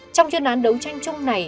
trong chuyên án đấu tranh chung này